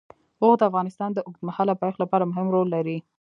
اوښ د افغانستان د اوږدمهاله پایښت لپاره مهم رول لري.